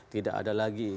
tidak ada lagi